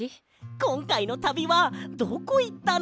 こんかいのたびはどこいったの？